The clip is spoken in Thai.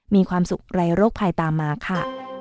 มีความสุขไร้โรคภัยตามมาค่ะ